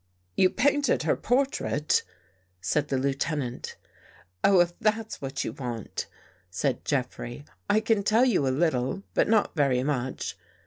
" You painted her portrait," said the Lieutenant. " Oh, if that's what you want," said Jeffrey,* " I can tell you a little, but not very much.